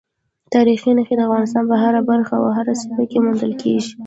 تاریخي نښې د افغانستان په هره برخه او هره سیمه کې موندل کېږي.